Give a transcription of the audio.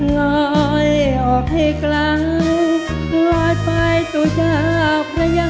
รอยออกให้กล่าวรอยไปตัวเจ้าพระยา